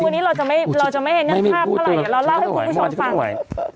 ไม่วันนี้เราจะไม่เราจะไม่เห็นเนื่องภาพเท่าไหร่เราเล่าให้คุณผู้ชมฟัง